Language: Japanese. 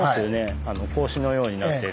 格子のようになっている。